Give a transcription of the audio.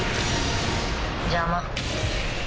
邪魔。